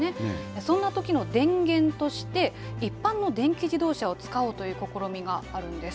そんなときの電源として、一般の電気自動車を使おうという試みがあるんです。